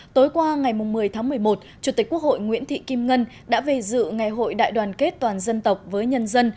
tối qua ngày một mươi tháng một mươi một chủ tịch quốc hội nguyễn thị kim ngân đã về dự ngày hội đại đoàn kết toàn dân tộc với nhân dân